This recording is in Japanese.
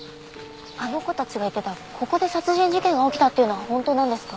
あの子たちが言ってたここで殺人事件が起きたっていうのは本当なんですか？